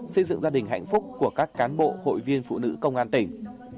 xây dựng gia đình hạnh phúc của các cán bộ hội viên phụ nữ công an tỉnh